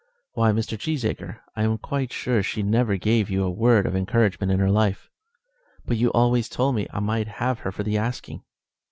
"Why, Mr. Cheesacre, I am quite sure she never gave you a word of encouragement in her life." "But you always told me I might have her for the asking."